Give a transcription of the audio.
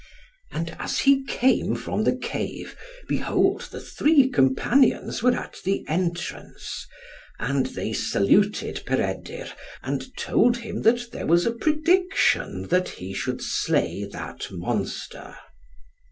And as he came from the cave, behold the three companions were at the entrance; and they saluted Peredur, and told him that there was a prediction that he should slay that monster.